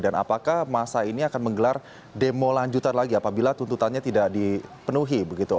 apakah masa ini akan menggelar demo lanjutan lagi apabila tuntutannya tidak dipenuhi begitu